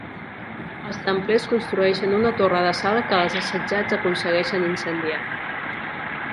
Els templers construeixen una torre d'assalt que els assetjats aconsegueixen incendiar.